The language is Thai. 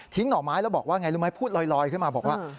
หน่อไม้แล้วบอกว่าไงรู้ไหมพูดลอยขึ้นมาบอกว่า